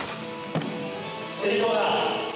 成功だ。